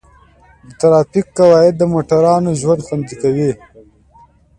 د ټرافیک قواعد د موټروانو ژوند خوندي کوي.